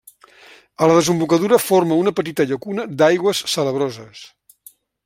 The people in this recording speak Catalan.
A la desembocadura forma una petita llacuna d'aigües salabroses.